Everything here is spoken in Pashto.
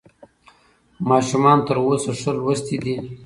ماشومان تر اوسه ښه لوستي دي.